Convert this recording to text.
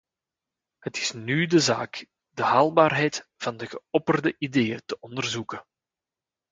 Het is nu zaak de haalbaarheid van de geopperde ideeën te onderzoeken.